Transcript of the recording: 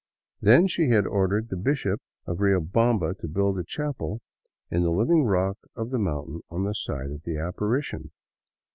Then she had ordered the Bishop of Riobamba to build a chapel in the living rock of the mountain on the site of the apparition.